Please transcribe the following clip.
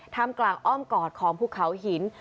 ทำกลางอ้อมกอดของภูเขาหิน